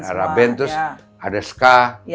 ada band terus ada ska